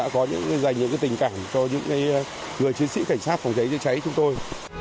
có dành những tình cảm cho những người chiến sĩ cảnh sát phòng cháy chữa cháy chúng tôi